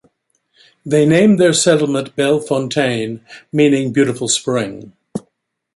They named their settlement Bellefontaine, meaning 'beautiful spring.